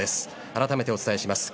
改めてお伝えします。